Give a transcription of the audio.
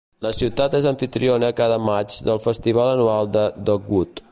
La ciutat és amfitriona cada maig del festival anual de Dogwood.